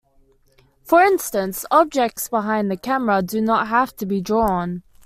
For instance, objects behind the camera do not have to be drawn.